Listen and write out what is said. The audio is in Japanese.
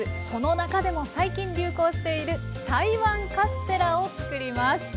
その中でも最近流行している台湾カステラを作ります。